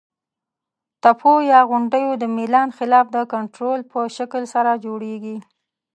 تپو یا غونډیو د میلان خلاف د کنتور په شکل سره جوړیږي.